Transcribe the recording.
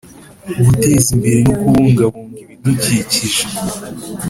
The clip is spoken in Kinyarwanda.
Guteza imbere no kubungabunga ibidukikije